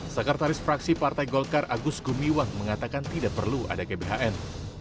sekretaris fraksi partai golkar agus gumiwang mengatakan tidak perlu ada gbhn